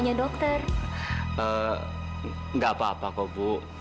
nggak apa apa kok bu